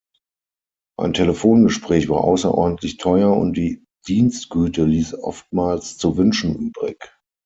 Ein Telefongespräch war außerordentlich teuer und die Dienstgüte ließ oftmals zu wünschen übrig.